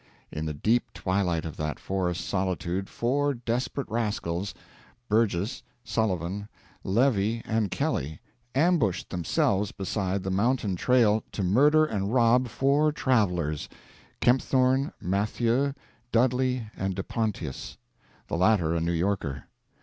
In the deep twilight of that forest solitude four desperate rascals Burgess, Sullivan, Levy, and Kelley ambushed themselves beside the mountain trail to murder and rob four travelers Kempthorne, Mathieu, Dudley, and De Pontius, the latter a New Yorker.